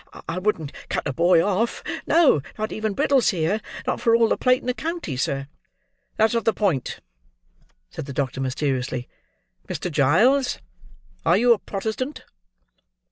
I wouldn't cut a boy off: no, not even Brittles here; not for all the plate in the county, sir." "That's not the point," said the doctor, mysteriously. "Mr. Giles, are you a Protestant?"